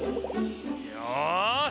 よし！